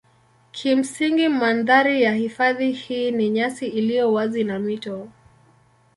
Kimsingi mandhari ya hifadhi hii ni nyasi iliyo wazi na mito.